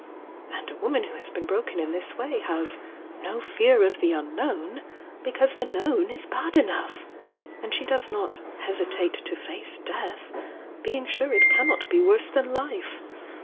And a woman who has been broken m this way has 'no fear of the unknown' because the known is bad enough,— and she does not hesitate to face death,' being sure it cannot be worse than life.